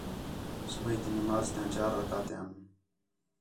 صُبیح تی نماز تیاں چار رکعتیان